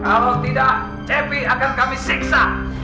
kalau tidak happy akan kami siksa